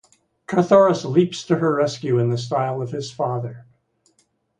Carthoris leaps to her rescue in the style of his father.